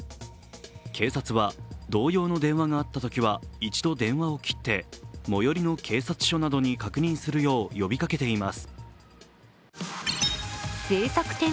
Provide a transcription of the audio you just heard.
警察は同様の電話があったときは一度、電話を切って最寄りの警察署などに確認するよう呼びかけています。